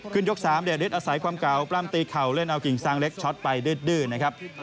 ยก๓เดชฤทธิอาศัยความเก่าปล้ำตีเข่าเล่นเอากิ่งซางเล็กช็อตไปดื้อนะครับ